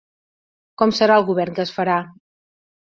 Com serà el govern que es farà?